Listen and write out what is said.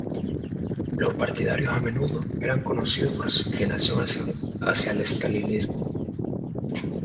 Los partidarios a menudo eran conocidos por su inclinación hacia el estalinismo.